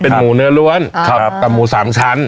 เป็นหมูเนื้อล้วนกับหมู๓ชั้น